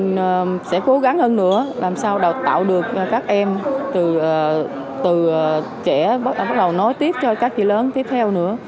mình sẽ cố gắng hơn nữa làm sao tạo được các em từ trẻ bắt đầu nói tiếp cho các chị lớn tiếp theo nữa